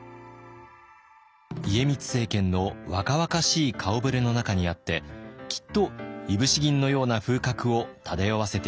家光政権の若々しい顔ぶれの中にあってきっといぶし銀のような風格を漂わせていたことでしょう。